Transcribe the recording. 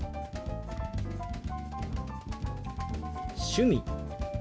「趣味」。